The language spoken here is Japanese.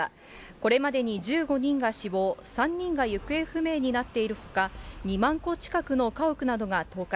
これまでに１５人が死亡、３人が行方不明になっているほか、２万戸近くの家屋などが倒壊。